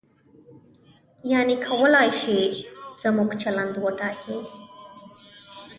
یعنې کولای شي زموږ چلند وټاکي.